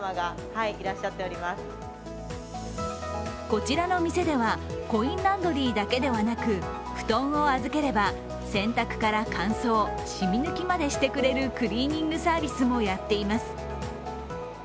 こちらの店では、コインランドリーだけではなく、布団を預ければ、洗濯から乾燥、染み抜きまでしてくれるクリーニングサービスもやっています。